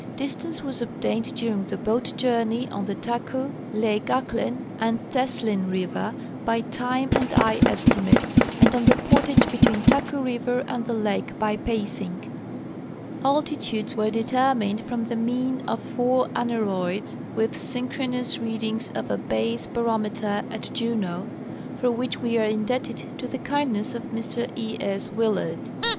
Distance was obtained during the boat journey on the Taku, lake Ahklen, and Teslin river by time and eye estimates, and on the portage between Taku river and the lake by pacing. Altitudes were determined from the mean of four aneroids with synchronous readings of a base barometer at Juneau, for which we are indebted to the kindness of Mr E. S. Willard.